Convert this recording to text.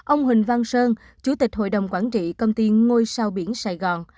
ông huỳnh văn sơn chủ tịch hội đồng quản trị công ty ngôi sao biển sài gòn